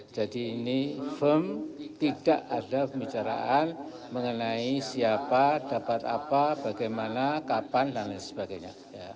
jadi ini firm tidak ada pembicaraan mengenai siapa dapat apa bagaimana kapan dan lain sebagainya